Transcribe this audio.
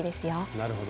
なるほど。